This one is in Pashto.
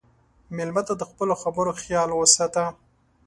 مېلمه ته د خپلو خبرو خیال وساته.